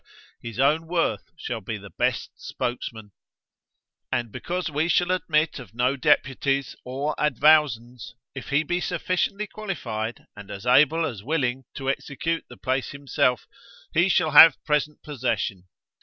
his own worth shall be the best spokesman; and because we shall admit of no deputies or advowsons, if he be sufficiently qualified, and as able as willing to execute the place himself, be shall have present possession.